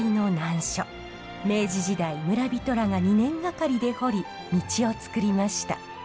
明治時代村人らが２年がかりで掘り道をつくりました。